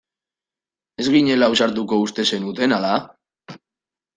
Ez ginela ausartuko uste zenuten ala?